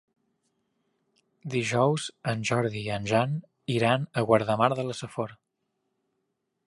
Dijous en Jordi i en Jan iran a Guardamar de la Safor.